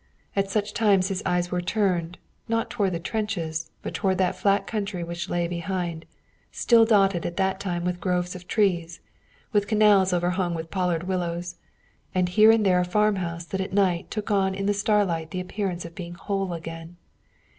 At such times his eyes were turned, not toward the trenches, but toward that flat country which lay behind, still dotted at that time with groves of trees, with canals overhung with pollard willows, and with here and there a farmhouse that at night took on in the starlight the appearance of being whole again.